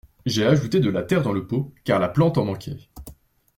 J'ai ajouté de la terre dans le pot car la plante en manquait.